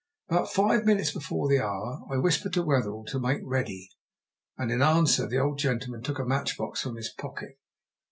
About five minutes before the hour I whispered to Wetherell to make ready, and in answer the old gentleman took a matchbox from his pocket.